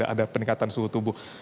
ada peningkatan suhu tubuh